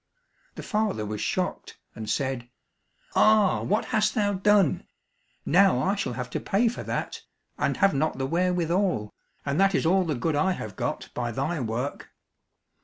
The father was shocked and said, "Ah, what hast thou done? now I shall have to pay for that, and have not the wherewithal, and that is all the good I have got by thy work."